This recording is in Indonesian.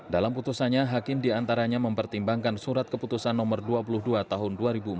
dalam putusannya hakim diantaranya mempertimbangkan surat keputusan nomor dua puluh dua tahun dua ribu empat belas